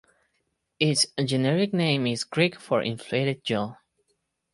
Its generic name is Greek for "inflated jaw".